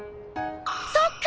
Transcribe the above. そっか！